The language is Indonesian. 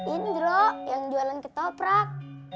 indro yang jualan ketoprak